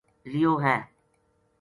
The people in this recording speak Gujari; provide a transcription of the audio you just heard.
لیو ہے